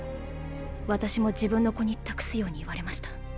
私も自分の子に託すように言われました。